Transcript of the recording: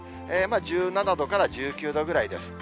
１７度から１９度ぐらいです。